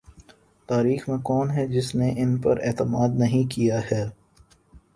تاریخ میں کون ہے جس نے ان پر اعتماد نہیں کیا ہے۔